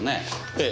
ええ。